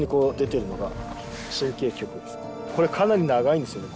これかなり長いんですよね。